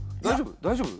大丈夫？